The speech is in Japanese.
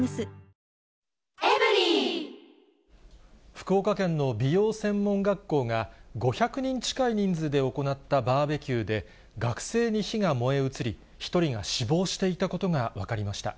福岡県の美容専門学校が、５００人近い人数で行ったバーベキューで、学生に火が燃え移り、１人が死亡していたことが分かりました。